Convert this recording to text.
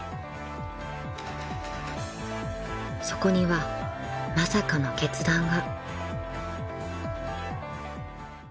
［そこにはまさかの決断が］